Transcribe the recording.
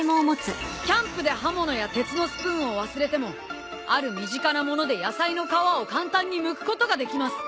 キャンプで刃物や鉄のスプーンを忘れてもある身近なもので野菜の皮を簡単にむくことができます。